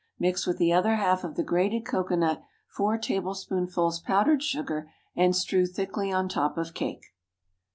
Mix with the other half of the grated cocoanut four tablespoonfuls powdered sugar, and strew thickly on top of cake.